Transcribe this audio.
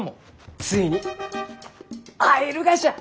ついに会えるがじゃ！